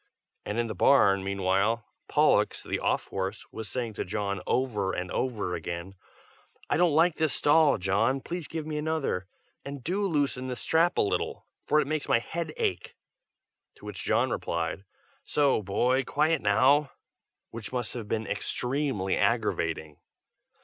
and in the barn, meanwhile, Pollux, the off horse, was saying to John, over and over again, "I don't like this stall, John! please give me another. And do loosen this strap a little, for it makes my head ache." To which John replied, "So, boy! quiet now!" which must have been extremely aggravating.